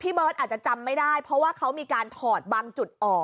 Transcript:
เบิร์ตอาจจะจำไม่ได้เพราะว่าเขามีการถอดบางจุดออก